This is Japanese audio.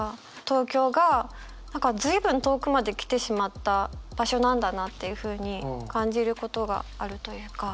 東京が随分遠くまで来てしまった場所なんだなっていうふうに感じることがあるというか。